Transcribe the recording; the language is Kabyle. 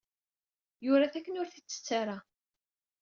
Yura-t akken ur t-itettu ara.